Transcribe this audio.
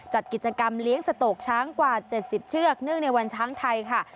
จัดกิจกรรมเลี้ยงสโตกช้างกว่า๗๐เชือกเนื่องในวันช้างไทยค่ะ